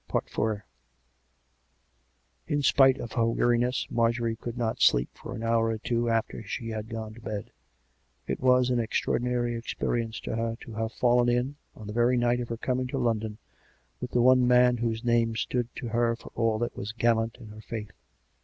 IV In spite of her weariness, Marjorie could not sleep for an hour or two after she had gone to bed. It was an ex traordinary experience to her to have fallen in, on the very night of her coming to London, with the one man whose name stood to her for all that was gallant in her faith.